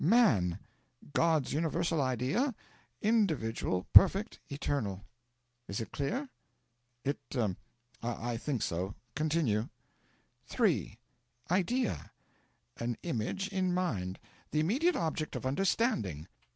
MAN God's universal idea, individual, perfect, eternal. Is it clear?' 'It I think so. Continue.' '3. IDEA An image in Mind; the immediate object of understanding.